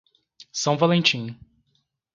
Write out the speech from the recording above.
São Valentim